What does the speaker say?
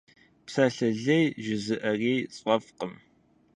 Псалъэ лей жызыӏэрейр сфӏэфӏкъым.